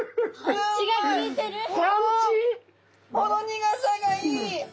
ほろ苦さがいい！